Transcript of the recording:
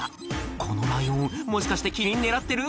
このライオンもしかしてキリン狙ってる？